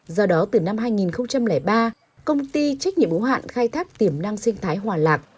do đó từ năm hai nghìn ba công ty trách nhiệm ủng hạn khai thác tiềm năng sinh thái hòa lạc